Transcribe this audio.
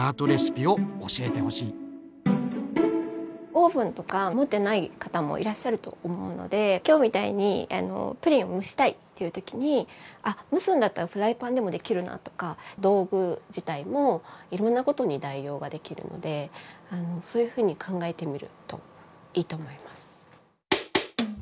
オーブンとか持ってない方もいらっしゃると思うので今日みたいにプリンを蒸したいという時にあっ蒸すんだったらフライパンでもできるなとか道具自体もいろんなことに代用ができるのでそういうふうに考えてみるといいと思います。